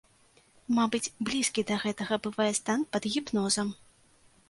Мабыць, блізкі да гэтага бывае стан пад гіпнозам.